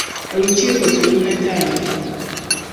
Olukiiko terunnatandika.